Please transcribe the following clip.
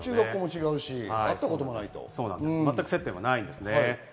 全く接点はないです。